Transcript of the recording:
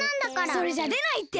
それじゃでないって！